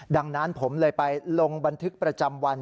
ดังนั้นผมเลยไปลงบันทึกประจำวัน